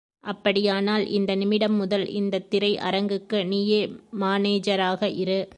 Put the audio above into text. அப்படியானால், இந்த நிமிடம் முதல், இந்தத் திரை அரங்குக்கு நீயே மானேஜராக இரு.